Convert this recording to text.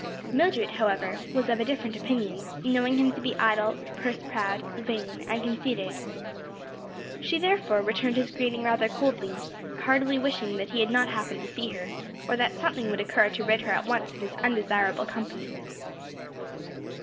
Mildred, however, was of a different opinion, knowing him to be idle, purse proud, vain and conceited. She therefore returned his greeting rather coldly; heartily wishing that he had not happened to see her, or that something would occur to rid her at once of his undesirable company.